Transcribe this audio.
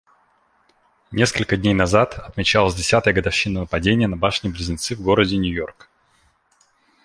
Несколько дней назад отмечалась десятая годовщина нападения на башни-близнецы в городе Нью-Йорк.